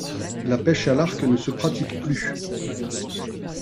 La pêche à l'arc ne se pratique plus.